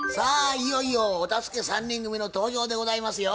いよいよお助け３人組の登場でございますよ。